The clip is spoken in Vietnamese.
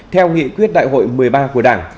theo nghị quyết đại hội một mươi ba của đảng